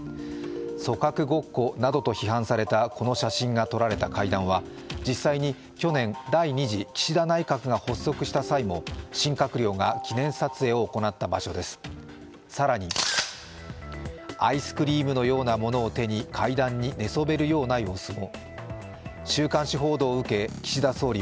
組閣ごっこなどと批判されたこの写真が撮られた階段は実際に去年、第２次岸田内閣が発足した際も新閣僚が記念撮影を行った場所です、更にアイスクリームのようなものを手に、階段に寝そべるような様子も。